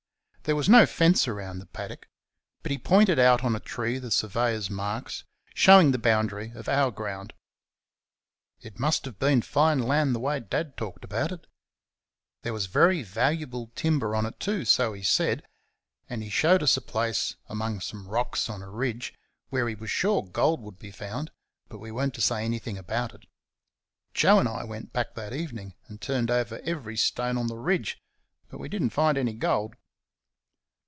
There was no fence round the paddock, but he pointed out on a tree the surveyor's marks, showing the boundary of our ground. It must have been fine land, the way Dad talked about it! There was very valuable timber on it, too, so he said; and he showed us a place, among some rocks on a ridge, where he was sure gold would be found, but we were n't to say anything about it. Joe and I went back that evening and turned over every stone on the ridge, but we did n't find any gold.